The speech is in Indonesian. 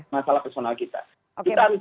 masalah personal kita kita harus